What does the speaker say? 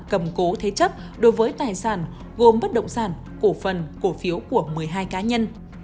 cầm cố thế chấp đối với tài sản gồm bất động sản cổ phần cổ phiếu của một mươi hai cá nhân